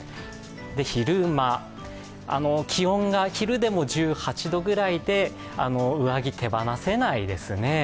昼間、気温が昼でも１８度くらいで、上着、手放せないですね。